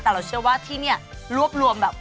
แต่เราเชื่อว่าที่นี่รวบรวมแบบ